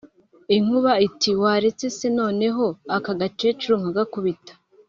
inkuba iti:" waretse se noneho aka gakecuru nkagakubita?"